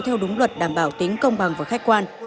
theo đúng luật đảm bảo tính công bằng và khách quan